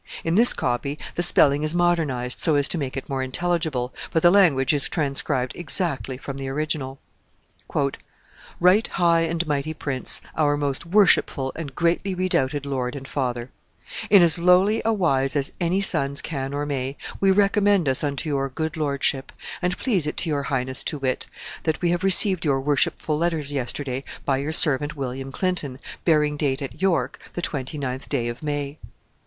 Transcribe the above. In this copy the spelling is modernized so as to make it more intelligible, but the language is transcribed exactly from the original. "Right high and mighty prince, our most worshipful and greatly redoubted lord and father: "In as lowly a wise as any sons can or may, we recommend us unto your good lordship, and please it to your highness to wit, that we have received your worshipful letters yesterday by your servant William Clinton, bearing date at York, the 29th day of May.